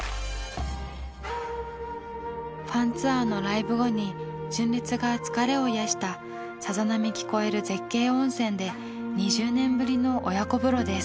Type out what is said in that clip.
ファンツアーのライブ後に純烈が疲れを癒やしたさざ波聞こえる絶景温泉で２０年ぶりの親子風呂です。